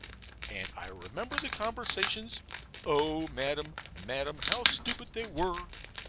And I remember the conversations. O Madam, Madam, how stupid they were!